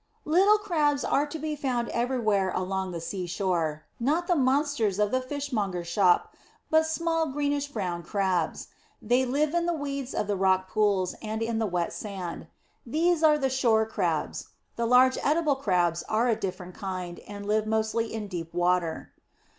Little Crabs are to be found everywhere along the sea shore not the monsters of the fishmonger's shop, but small greenish brownish Crabs. They live in the weed of the rock pools, and in the wet sand. These are the Shore Crabs; the large Edible Crabs are a different kind, and live mostly in deep water.